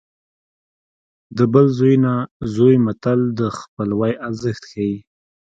د بل زوی نه زوی متل د خپلوۍ ارزښت ښيي